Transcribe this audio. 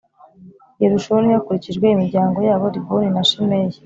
Gerushoni hakurikijwe imiryango yabo Libuni na Shimeyi